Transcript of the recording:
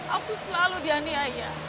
aku selalu dihina